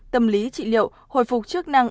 tâm lý trị liệu hồi phục chức năng